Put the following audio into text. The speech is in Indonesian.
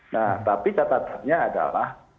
nah tapi catatannya adalah